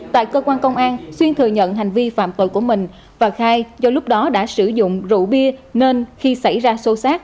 tại cơ quan công an xuyên thừa nhận hành vi phạm tội của mình và khai do lúc đó đã sử dụng rượu bia nên khi xảy ra sâu sát